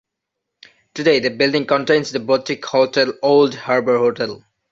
Today the building contains the boutique hotel Old Harbour Hotel.